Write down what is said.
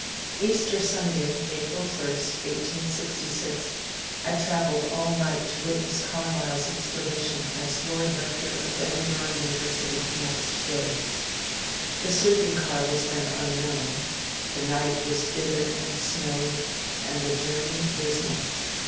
Ea8T£B Sunday, April 1, 1866, I travelled all night to wit ness Carlyle's installation as Lord Rector of Edinburgh Uni versity next day. The sleeping car was then unknown, the night was bitter and snowy, and the journey dismal.